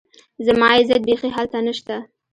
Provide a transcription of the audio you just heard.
زما عزت بيخي هلته نشته